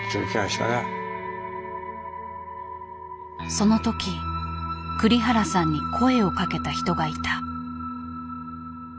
その時栗原さんに声をかけた人がいた。